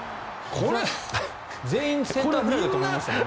全員センターフライだと思いましたよね。